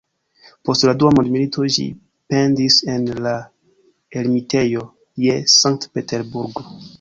Post la Dua Mondmilito ĝi pendis en la Ermitejo je Sankt-Peterburgo.